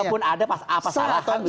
kalaupun ada apa salah